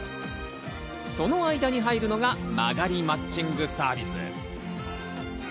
その間に入るのが間借りマッチングサービス。